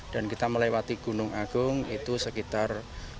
dan kita melewati gunung agung itu sekitar